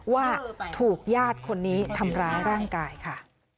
ว่าถูกญาติคนนี้ทำร้ายร่างกายค่ะ